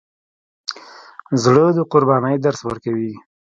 زړه د قربانۍ درس ورکوي.